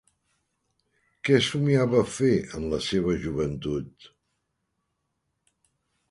Què somiava fer en la seva joventut?